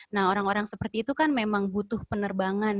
nah orang orang seperti itu kan memang butuh penerbangan